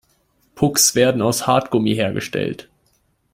Pucks werden aus Hartgummi hergestellt.